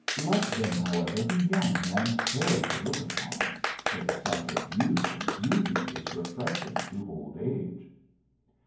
Let them, however, be young and fair to look upon for the sight of youth and beauty is refreshing to old age."